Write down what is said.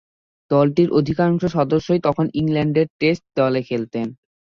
দলটির অধিকাংশ সদস্যই তখন ইংল্যান্ডের টেস্ট দলে খেলতেন।